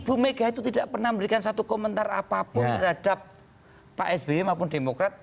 ibu mega itu tidak pernah memberikan satu komentar apapun terhadap pak sby maupun demokrat